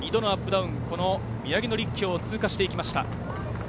ダウン、この宮城野陸橋を通過していきました。